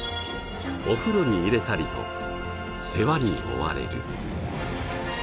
お風呂に入れたりと世話に追われる。